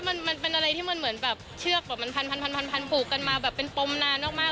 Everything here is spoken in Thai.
มันเป็นอะไรที่มันเหมือนแบบเชือกแบบมันพันผูกกันมาแบบเป็นปมนานมาก